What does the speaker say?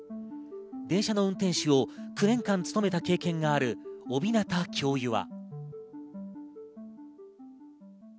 電車の運転士を９年間勤めた経験がある大日方教諭は。